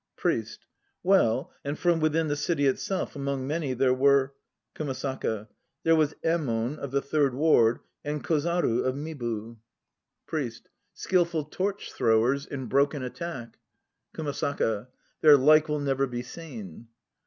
PRIEST. Well, and from within the City itself among many there were KUMASAKA. There was Emon of the Third Ward and Kozaru of Mibu. KUMASAKA 65 PRIEST. Skilful torch throwers; in broken attack KUMASAKA. Their like will never be seen.